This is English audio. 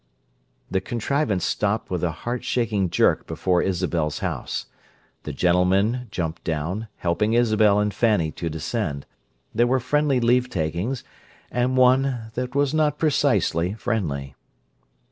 The contrivance stopped with a heart shaking jerk before Isabel's house. The gentlemen jumped down, helping Isabel and Fanny to descend; there were friendly leavetakings—and one that was not precisely friendly.